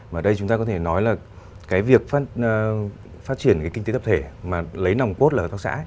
mà đây chúng ta có thể nói là việc phát triển kinh tế tập thể mà lấy nòng cốt là hợp tác xã